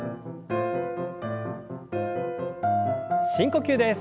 深呼吸です。